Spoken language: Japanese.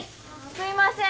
すいません